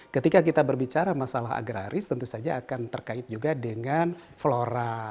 ketika kita berbicara masalah agraris tentu saja akan terkait juga dengan flora